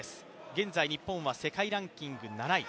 現在、日本は世界ランキング７位。